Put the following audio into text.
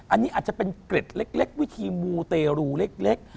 อันนี้อาจจะเป็นเกร็ดเล็กวิธีมูเตรูเล็ก